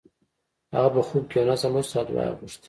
هغه په خوب کې یو نظم لوست او دعا یې غوښته